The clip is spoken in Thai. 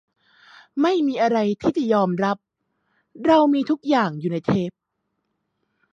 ไม่มีอะไรที่จะยอมรับ เรามีทุกอย่างอยู่ในเทป